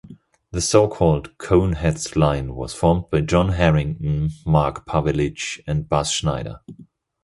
The so-called "Coneheads Line" was formed by John Harrington, Mark Pavelich and Buzz Schneider.